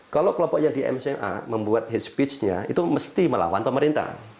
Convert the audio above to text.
kalau kelompok yang di mca membuat hate speech nya itu mesti melawan pemerintah